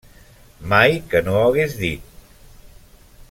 Mai que no ho hagués dit.